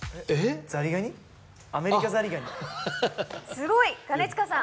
すごい兼近さん。